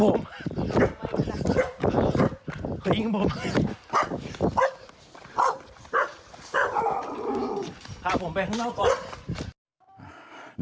พาผมไปข้างนอกก่อน